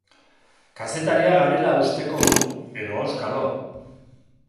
Kazetariak garela usteko du, edo auskalo.